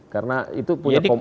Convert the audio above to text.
karena itu punya